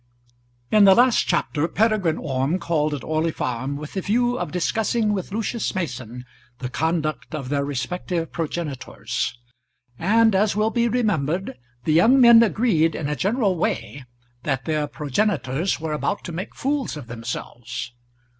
In the last chapter Peregrine Orme called at Orley Farm with the view of discussing with Lucius Mason the conduct of their respective progenitors; and, as will be remembered, the young men agreed in a general way that their progenitors were about to make fools of themselves.